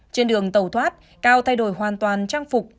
trên đường tàu thoát cao thay đổi hoàn toàn trang phục